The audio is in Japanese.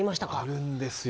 あるんですよ。